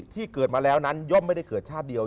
ที่เกิดมาแล้วนั้นย่อมไม่ได้เกิดชาติเดียว